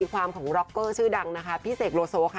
ความของร็อกเกอร์ชื่อดังนะคะพี่เสกโลโซค่ะ